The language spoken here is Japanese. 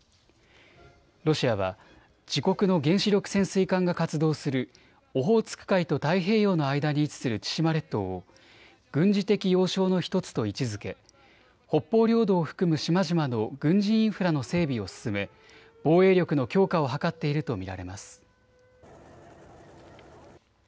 ロシアは自国の原子力潜水艦が活動するオホーツク海と太平洋の間に位置する千島列島を軍事的要衝の１つと位置づけ北方領土を含む島々の軍事インフラの整備を進め、防衛力の強化を図っていると見られます。